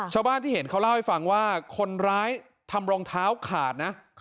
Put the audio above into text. ชาวบ้านที่เห็นเขาเล่าให้ฟังว่าคนร้ายทำรองเท้าขาดนะ